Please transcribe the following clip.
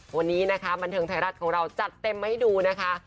วันนี้นะคะบันเทิงไทยรัฐของเราจัดเต็มให้ดูนะคะ